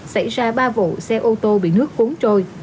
xảy ra ba vụ xe ô tô bị nước cuốn trôi